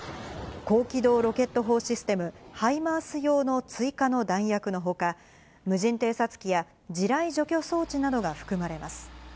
高機動ロケット砲システム、ハイマース用の追加の弾薬のほか、無人偵察機や地雷除去装置などが含まれます。